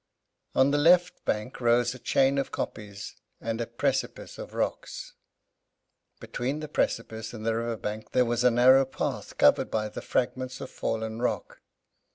On the left bank rose a chain of kopjes and a precipice of rocks. Between the precipice and the river bank there was a narrow path covered by the fragments of fallen rock.